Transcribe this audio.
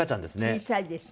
小さいですね。